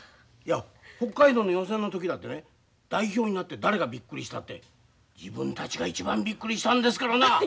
いや北海道の予選の時だってね代表になって誰がびっくりしたって自分たちが一番びっくりしたんですからな。